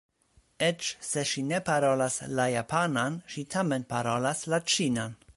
Eĉ se ŝi ne parolas la japanan, ŝi tamen parolas la ĉinan.